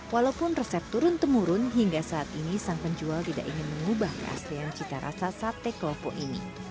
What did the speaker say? walaupun resep turun temurun hingga saat ini sang penjual tidak ingin mengubah keaslian cita rasa sate klopo ini